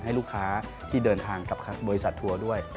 ให้ลูกค้าที่เดินทางกับบริษัททัวร์ด้วย